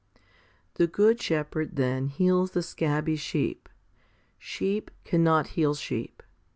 The good Shepherd, then, heals the scabby sheep. Sheep cannot heal sheep.